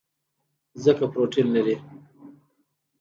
ځکه پروټین لري.